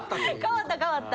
変わった変わった。